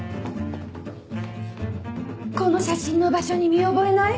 この写真の場所に見覚えない？